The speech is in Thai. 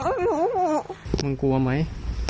ฮะมึงกลัวไหม